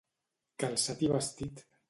Calçat i vestit.